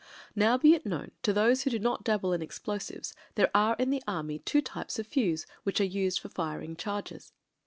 Now be it known to those who do not dabble in explosives, there are in the army two types of fuze which are used for firing charges.